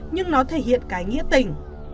nhưng nó thể hiện cái nghĩa tình